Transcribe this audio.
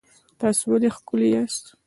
تاسو ولې ښکلي یاست؟